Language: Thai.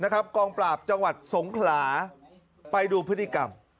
กองปราบจังหวัดสงขลาไปดูพฤติกรรม